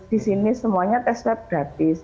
di sini semuanya tes web gratis